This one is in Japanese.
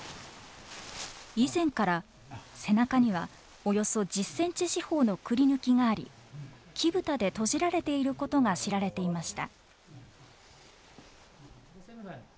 以前から背中にはおよそ１０センチ四方のくりぬきがあり木蓋で閉じられていることが知られていました。